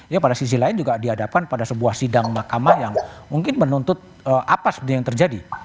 ya pada sisi lain juga dihadapkan pada sebuah sidang mahkamah yang mungkin menuntut apa sebenarnya yang terjadi